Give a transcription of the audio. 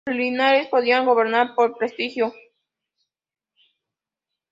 Los linajes podían gobernar por prestigio.